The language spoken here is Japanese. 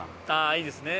いいですね。